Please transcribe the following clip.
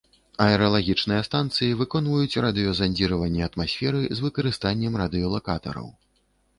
Аэралагічныя станцыі выконваюць радыёзандзіраванне атмасферы з выкарыстаннем радыёлакатараў.